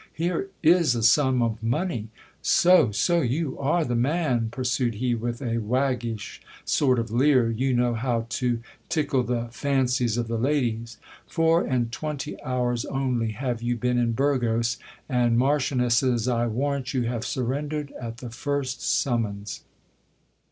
here is a sum of money ! So, so ! you are the man ! pursued he with a waggish sort of leer, you know how to — tickle the — fancies of the ladies ! Four and twenty hours only have you been in Burgos, and marchionesses, I warrant you, have surrendered at the first summons